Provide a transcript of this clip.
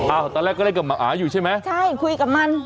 ตอนแรกก็เล่นกับหมาอยู่ใช่ไหมใช่คุยกับมัน